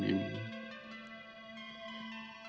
meninggalkan rumah ini